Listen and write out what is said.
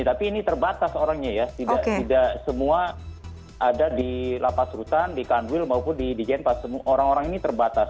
tapi ini terbatas orangnya ya tidak semua ada di lapas rutan di kanwil maupun di di jenpas orang orang ini terbatas